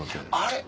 あれ？